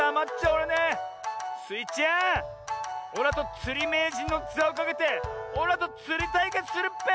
おらとつりめいじんの「ざ」をかけておらとつりたいけつするっぺ！